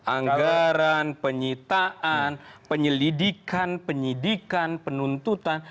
anggaran penyitaan penyelidikan penyidikan penuntutan